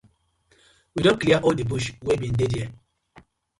We don clear all di bush wey been dey dere.